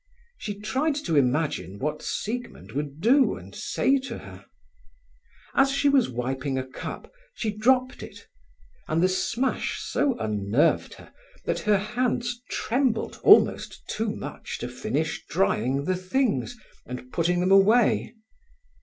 She tried to imagine what Siegmund would do and say to her. As she was wiping a cup, she dropped it, and the smash so unnerved her that her hands trembled almost too much to finish drying the things and putting them away.